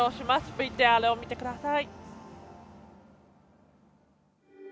ＶＴＲを見てください。